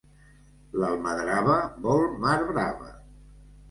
L'almadrava vol mar brava.